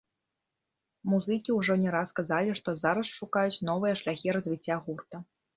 Музыкі ўжо не раз казалі, што зараз шукаюць новыя шляхі развіцця гурта.